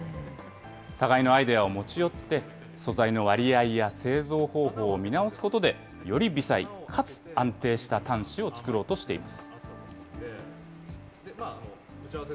互いのアイデアを持ち寄って、素材の割合や製造方法を見直すことで、より微細、かつ安定した端子を作ろうとしています。